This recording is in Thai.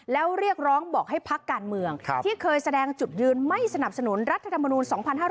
แล้วเรียกร้องบอกให้พักการเมืองที่เคยแสดงจุดยืนไม่สนับสนุนรัฐธรรมนูล๒๕๖๐